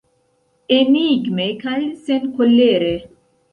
Enigme kaj senkolere.